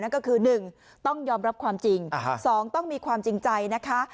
ก็คือ๑ต้องยอมรับความจริง๒ต้องมีความจริงใจนะคะ